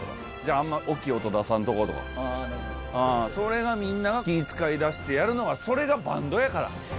あんま大きい音出さんとこうとか、それが、みんなが気い遣いだしてやるのが、それがバンドやから。